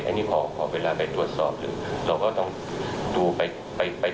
อันนี้พอเวลาไปตรวจสอบถึงเราก็ต้องดูไปไป